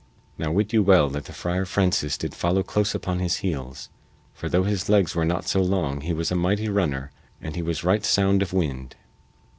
Now wit you well that the Friar Francis did follow close upon his heels, for though his legs were not so long he was a mighty runner and he was right sound of wind.